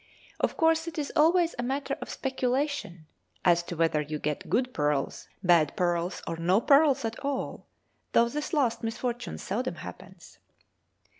Of course it is always a matter of speculation as to whether you get good pearls, bad pearls, or no pearls at all, though this last misfortune seldom happens.